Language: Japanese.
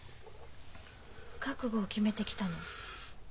覚悟を決めて来たの。